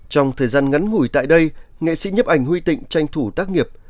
trong thời gian ngắn ngủi tại đây nghệ sĩ nhấp ảnh huy tịnh tranh thủ tác nghiệp